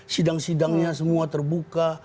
sidang sidangnya semua terbuka